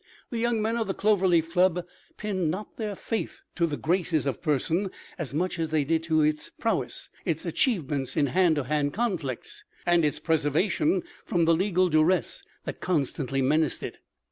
The young men of the Clover Leaf Club pinned not their faith to the graces of person as much as they did to its prowess, its achievements in hand to hand conflicts, and its preservation from the legal duress that constantly menaced it.